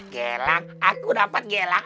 gelang aku dapat gelang